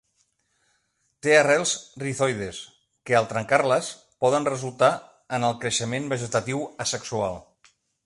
Té arrels rizoides, que, al trencar-les, poden resultar en el creixement vegetatiu asexual.